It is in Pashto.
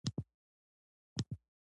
دا مبارزه په سندرو کې هم بیان شوې ده.